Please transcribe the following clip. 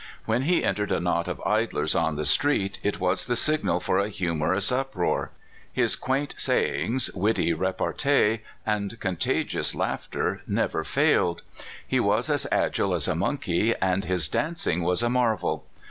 When he entered a knot of idlers on the streets, it was the signal for a humorous uproar. His quaint sayings, witty repartee, and contagious laughter, never failed. He was as agile as a monkey, and his dancing was a marvel.